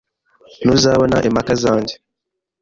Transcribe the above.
Ntuzabona impaka zanjye.